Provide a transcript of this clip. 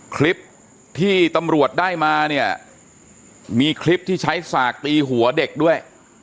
คลิปที่ตำรวจได้มาเนี่ยมีคลิปที่ใช้สากตีหัวเด็กด้วย